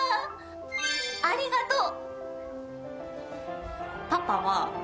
ありがとう。